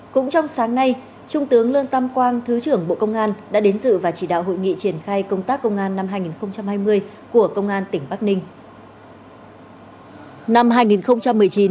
cũng trong sáng nay trung tướng lương tam quang thứ trưởng bộ công an đã đến dự và chỉ đạo hội nghị triển khai công tác công an năm hai nghìn hai mươi của công an tỉnh bắc ninh